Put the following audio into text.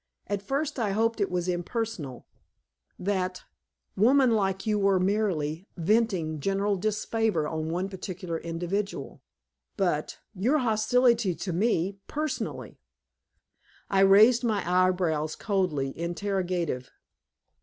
At first I hoped it was impersonal, that, womanlike you were merely venting general disfavor on one particular individual. But your hostility is to me, personally." I raised my eyebrows, coldly interrogative.